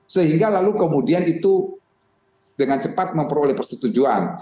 sehingga lalu kemudian itu dengan cepat memperoleh persetujuan